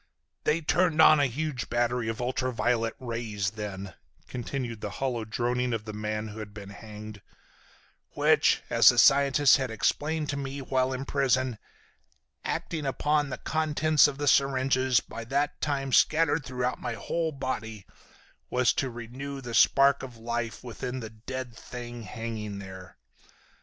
"They turned on a huge battery of ultra violet rays then," continued the hollow droning of the man who had been hanged, "which, as the scientist had explained to me while in prison, acting upon the contents of the syringes, by that time scattered through my whole body, was to renew the spark of life within the dead thing hanging there.